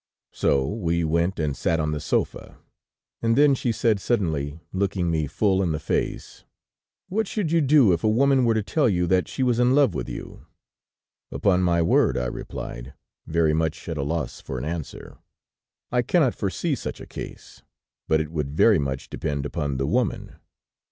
"So we went and sat on the sofa, and then she said suddenly, looking me full in the face: "'What should you do if a woman were to tell you that she was in love with you?' "'Upon my word,' I replied, very much at a loss for an answer, 'I cannot foresee such a case; but it would very much depend upon the woman.'